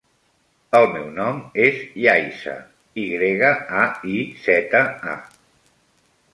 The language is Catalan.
El meu nom és Yaiza: i grega, a, i, zeta, a.